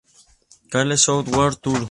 Carter Show World Tour.